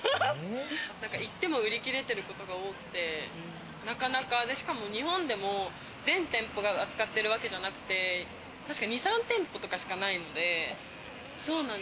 行っても売り切れてることが多くて、なかなか日本でも全店舗が扱ってるわけじゃなくて、確か２・３店舗しかないので。